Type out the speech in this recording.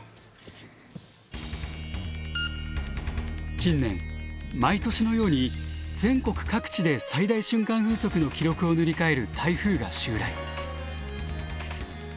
近年毎年のように全国各地で最大瞬間風速の記録を塗り替える台風が襲来。